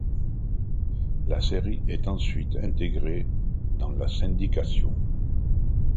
La série est ensuite intégrée dans la syndication.